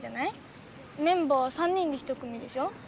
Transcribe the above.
メンバー３人で一組でしょ。